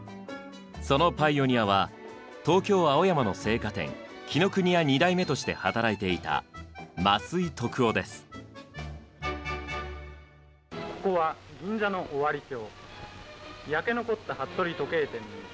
そのパイオニアは東京・青山の青果店「紀ノ国屋」２代目として働いていた「ここは銀座の尾張町」。